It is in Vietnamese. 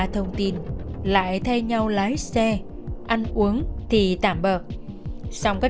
thông tin lại thay nhau lái xe ăn uống thì tạm bợt xong các